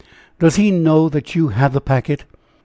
"Does he know that you have the packet?"